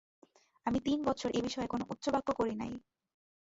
আমি তিন বৎসর এ বিষয়ে কোন উচ্চবাচ্য করি নাই।